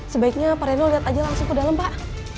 sebaiknya pak reno lihat aja langsung ke dalam pak